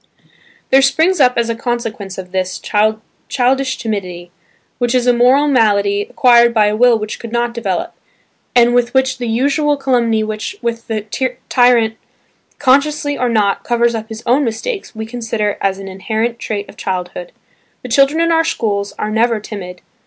There springs up as a consequence of this, childish timidity, which is a moral malady acquired by a will which could not develop, and which with the usual calumny with which the tyrant consciously or not, covers up his own mistakes, we consider as an inherent trait of childhood. The children in our schools are never timid.